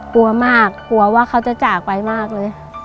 กลัวมากกลัวว่าเขาจะจากไปมากเลย